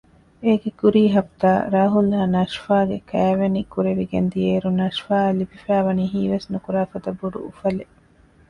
އޭގެ ކުރީ ހަފްތާ ރާހުލްއާ ނަޝްފާގެ ކައިވެނި ކުރެވިގެން ދިއައިރު ނަޝްފާއަށް ލިބިފައިވަނީ ހީވެސްނުކުރާ ފަދަ ބޮޑު އުފަލެއް